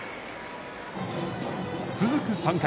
続く３回。